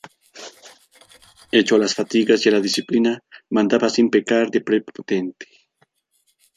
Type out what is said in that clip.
Hecho a las fatigas y a la disciplina, mandaba sin pecar de prepotente.